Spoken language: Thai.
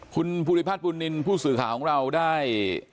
คุณภูริพัฒนบุญนินทร์ผู้สื่อข่าวของเราได้